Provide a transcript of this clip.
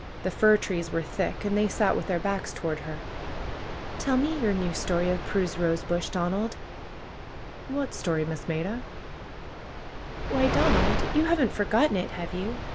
The fir trees were thick, and they sat with their backs toward her. ^^Tell me your new story of Prue's rosebush, Don ald 1'^ '^What story. Miss Maida ?'^ ''^Why, Donald, you haven't forgotten it, have you?